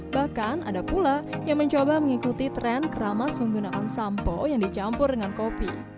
bahkan ada pula yang mencoba mengikuti tren keramas menggunakan sampo yang dicampur dengan kopi